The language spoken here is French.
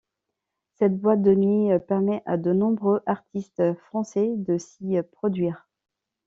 Cette boîte de nuit permet à de nombreux artistes français de s'y produire.